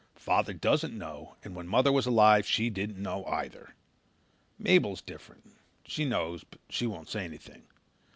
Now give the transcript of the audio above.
Father doesn't know and when mother was alive she didn't know either. Mabel is different. She knows but she won't say anything.